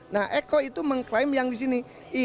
nah eko itu mengklaim yang di sini